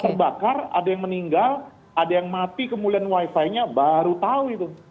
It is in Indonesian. terbakar ada yang meninggal ada yang mati kemudian wifi nya baru tahu itu